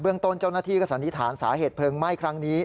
ต้นเจ้าหน้าที่ก็สันนิษฐานสาเหตุเพลิงไหม้ครั้งนี้